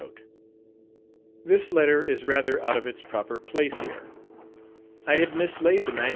[A] [A] This letter is rather out of its proper place here. I had mislaid the MS.